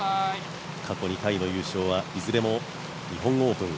過去２回の優勝はいずれも、日本オープン。